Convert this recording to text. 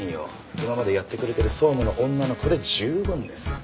今までやってくれてる総務の女の子で十分です。